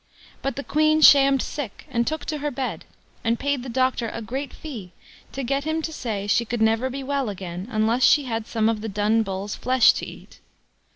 But the Queen shammed sick, and took to her bed, and paid the doctor a great fee to get him to say she could never be well again unless she had some of the Dun Bull's flesh to eat.